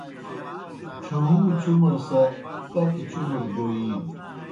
ڇھہُوں چُمر سہ تتوْ چُمر دوئینوْ